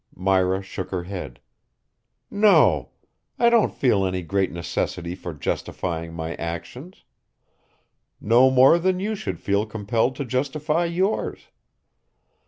Myra shook her head. "No. I don't feel any great necessity for justifying my actions. No more than you should feel compelled to justify yours.